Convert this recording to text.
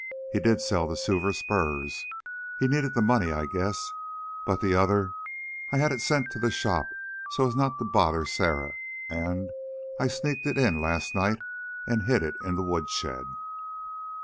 He did sell the silver spurs. He needed the money, I guess. But the other, I had it sent to the shop so as not to bother Sarah, an' I sneaked it in last night an' hid it in the woodshed."